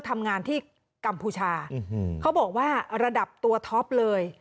ทำงานที่กัมพูชาเขาบอกว่าระดับตัวท็อปเลย